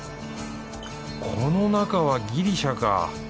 この中はギリシャか。